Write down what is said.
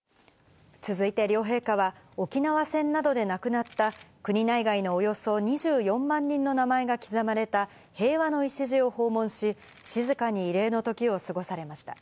続いて両陛下は、沖縄戦などで亡くなった国内外のおよそ２４万人の名前が刻まれた、平和の礎を訪問し、静かに慰霊のときを過ごされました。